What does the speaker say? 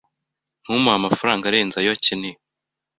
Ntumuhe amafaranga arenze ayo akenewe.